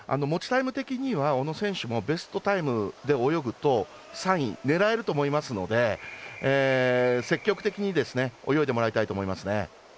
タイム的には小野選手もベストタイムで泳ぐと３位を狙えると思いますので積極的に泳いでもらいたいと思いますね。